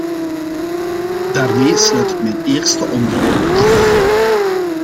Daarmee sluit ik mijn eerste onderwerp af.